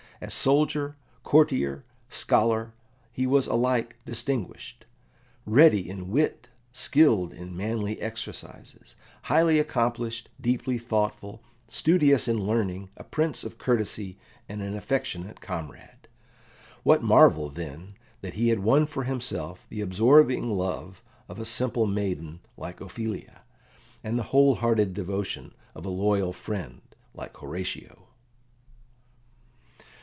As soldier, courtier, scholar, he was alike distinguished ready in wit, skilled in manly exercises, highly accomplished, deeply thoughtful, studious in learning, a prince of courtesy, and an affectionate comrade. What marvel, then, that he had won for himself the absorbing love of a simple maiden like Ophelia, and the whole hearted devotion of a loyal friend like Horatio?